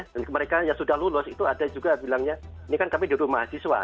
dan mereka yang sudah lulus itu ada juga bilangnya ini kan kami dulu mahasiswa